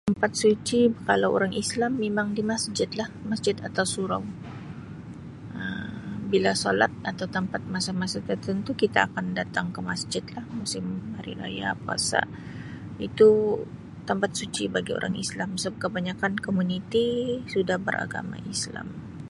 Tempat suci kalau orang islam mimang di masjid lah masjid atau surau Um bila solat atau tempat masa-masa tertentu kita akan datang ke masjid lah musim hari raya puasa itu tempat suci bagi orang islam seb kebanyakan komuniti sudah beragama islam.